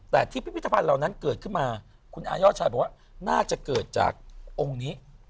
แต่ที่พิพิธภัณฑ์เหล่านั้นเกิดขึ้นมาคุณอายอดชายบอกว่าน่าจะเกิดจากองค์นี้